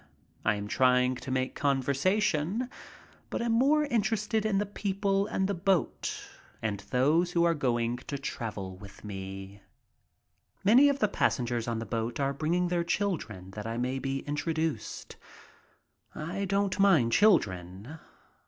I am trying to make conversation, but am more interested in the people and the boat and those who are going to travel with me. 52 MY TRIP ABROAD Many of the passengers on the boat are bringing their children that I may be introduced. I don't mind children.